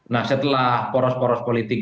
nah setelah poros poros politik